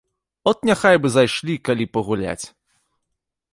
От няхай бы зайшлі калі пагуляць.